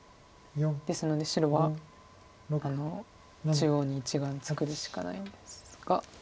ですので白は中央に１眼作るしかないんですが。